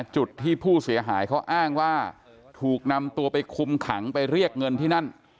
จุดที่ผู้เสียหายเขาอ้างว่าถูกนำตัวไปคุมขังไปเรียกเงินที่นั่น